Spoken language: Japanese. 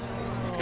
え？